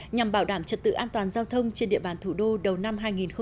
nhằm bảo đảm trật tự an toàn giao thông trên địa bàn thủ đô đầu năm hai nghìn hai mươi